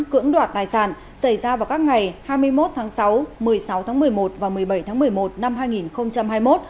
cưỡng đoạt tài sản xảy ra vào các ngày hai mươi một tháng sáu một mươi sáu tháng một mươi một và một mươi bảy tháng một mươi một năm hai nghìn hai mươi một